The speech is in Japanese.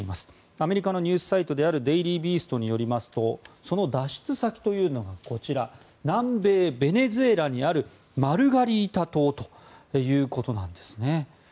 アメリカのニュースサイトであるデイリー・ビーストによりますとその脱出先というのがこちら、南米ベネズエラにあるマルガリータ島ということなんですね。